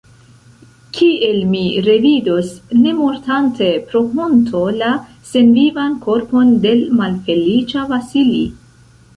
Kiel mi revidos, ne mortante pro honto, la senvivan korpon de l' malfeliĉa Vasili?